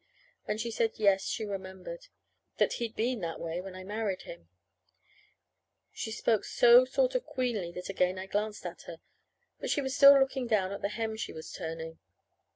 And she said yes, she remembered; that he'd been that way when I married him. She spoke so sort of queerly that again I glanced at her; but she still was looking down at the hem she was turning.